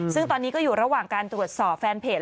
ซึ่งตอนนี้ก็อยู่ระหว่างการตรวจสอบแฟนเพจ